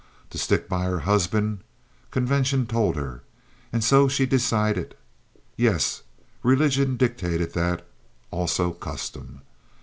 To stick by her husband, convention told her; and so she decided. Yes, religion dictated that, also custom.